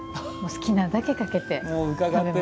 好きなだけかけて。